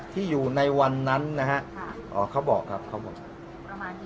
ที่อยู่ในวันนั้นนะฮะค่ะอ๋อเขาบอกครับเขาบอกประมาณนี้